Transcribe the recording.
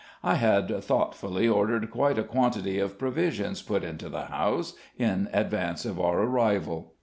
I had thoughtfully ordered quite a quantity of provisions put into the house, in advance of our arrival.